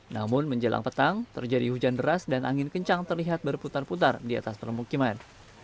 namun menjelang petang terjadi hujan deras dan angin kencang terlihat berputar putar di atas permukiman